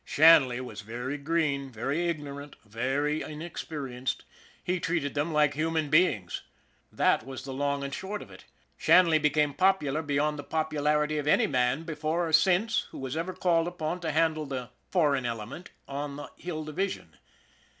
Shanley was very green, very ignorant, very inexperienced he treated them like human beings. That was the long and short of it. Shanley became popular beyond the popularity of any man, before or since, who was ever called upon to handle the " foreign element " on the Hill Division.